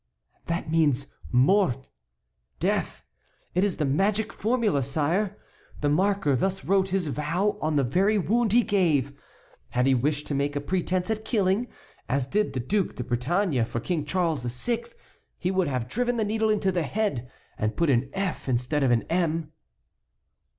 "That means mort, death; it is the magic formula, sire. The maker thus wrote his vow on the very wound he gave. Had he wished to make a pretence at killing, as did the Duc de Bretagne for King Charles VI., he would have driven the needle into the head and put an 'F' instead of an 'M.'"